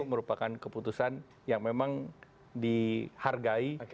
merupakan keputusan yang memang dihargai